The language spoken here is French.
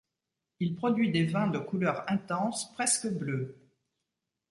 Il produit des vins de couleur intense presque bleue.